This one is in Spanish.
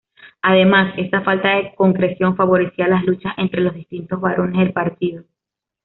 Además, esa falta de concreción favorecía las luchas entre los distintos barones del partido.